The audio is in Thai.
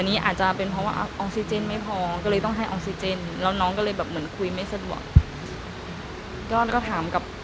น้องงอแงร์ไหม